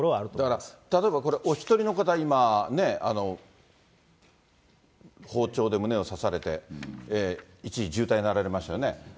だから例えばこれお一人の方、今ね、包丁で胸を刺されて、一時重体になられましたよね。